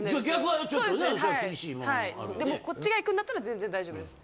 でもこっちが行くんだったら全然大丈夫です。